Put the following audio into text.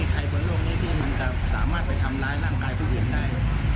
ใครบนโลกนี้ที่มันจะสามารถไปทำร้ายร่างกายผู้อื่นได้